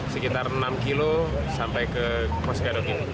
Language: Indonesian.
sekitar enam km sampai ke kos kedok ini